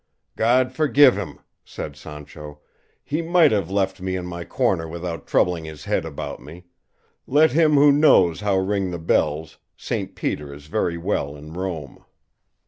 "God forgive him," said Sancho; "he might have left me in my corner without troubling his head about me; 'let him who knows how ring the bells; 'Saint Peter is very well in Rome.